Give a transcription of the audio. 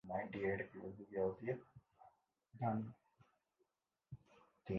empire Aleem Dar Bharat سے وطن واپس پہنچ گئے